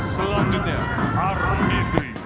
selanjutnya army three